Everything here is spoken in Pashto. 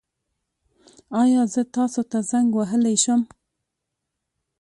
ایا زه تاسو ته زنګ وهلی شم؟